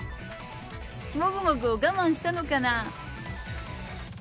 もぐもぐを我慢したのかな。